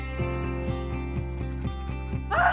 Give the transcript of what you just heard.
あっ！